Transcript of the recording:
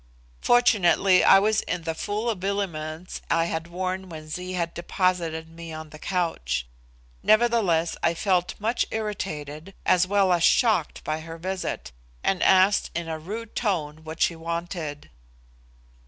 Fortunately I was in the full habiliments I had worn when Zee had deposited me on the couch. Nevertheless I felt much irritated, as well as shocked, by her visit, and asked in a rude tone what she wanted.